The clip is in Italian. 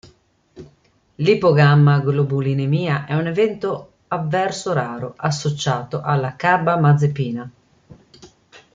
L'ipogammaglobulinemia è un evento avverso raro associato a carbamazepina.